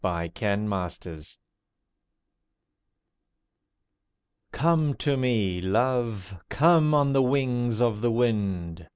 BOUND AND FREE Come to me, Love! Come on the wings of the wind!